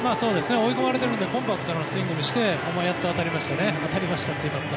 追い込まれているのでコンパクトなスイングにしてやっと当たりましたね。